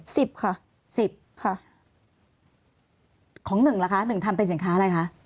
สิบค่ะสิบค่ะของหนึ่งล่ะคะหนึ่งทำเป็นสินค้าอะไรคะ